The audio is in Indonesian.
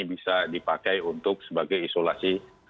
bisa dipakai untuk sebagai isolasi